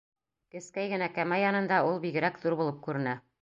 Кескәй генә кәмә янында ул бигерәк ҙур булып күренә.